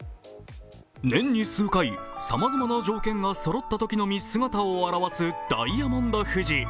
年に数回、さまざまな条件がそろったときのみ姿を現すダイヤモンド富士。